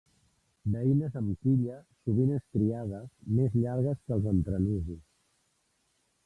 Beines amb quilla, sovint estriades, més llargues que els entrenusos.